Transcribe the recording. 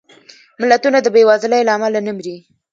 ملتونه د بېوزلۍ له امله نه مري